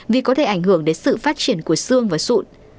vì có thể ảnh hưởng đến sự phát triển của xương và sụn